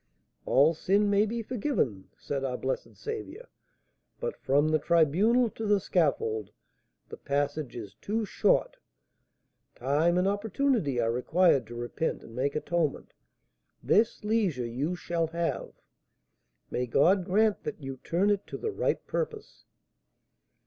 'All sin may be forgiven,' said our blessed Saviour, but from the tribunal to the scaffold the passage is too short, time and opportunity are required to repent and make atonement; this leisure you shall have. May God grant that you turn it to the right purpose!"